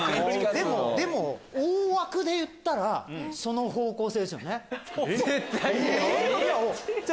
でも大枠で言ったらその方向性ですよね。